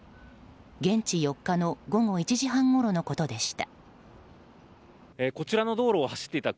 現地４日の午後１時半ごろのことでした。